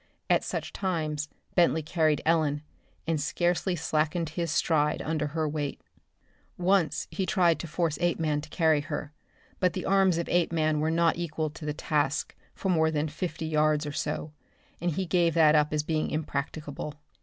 At such times Bentley carried Ellen, and scarcely slackened his stride under her weight. Once he tried to force Apeman to carry her, but the arms of Apeman were not equal to the task for more than fifty yards or so, and he gave that up as being impracticable.